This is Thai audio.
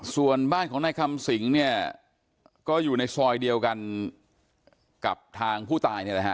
ส่วนบ้านของนายคำสิงเนี่ยก็อยู่ในซอยเดียวกันกับทางผู้ตายเนี่ยนะฮะ